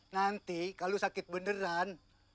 nanti kalau sakit beneran